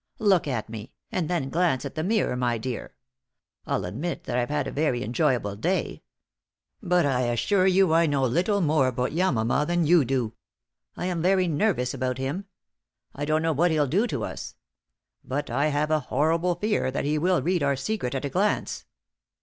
Look at me, and then glance at the mirror, my dear. I'll admit that I've had a very enjoyable day. But I assure you I know little more about Yamama than you do. I am very nervous about him. I don't know what he'll do to us. But I have a horrible fear that he will read our secret at a glance."